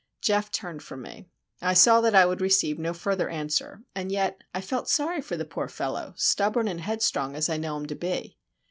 Geof turned from me. I saw that I would receive no further answer; and yet I felt sorry for the poor fellow, stubborn and headstrong as I know him to be.